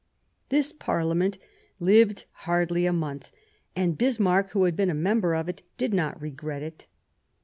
This Parliament lived hardly a month, and Bismarck, who had been a member of it, did not regret it.